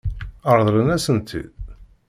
Ṛeḍlen-asen-tt-id?